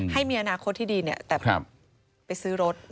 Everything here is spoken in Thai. ให้มีอนาคตที่ดีแต่ไปซื้อรถ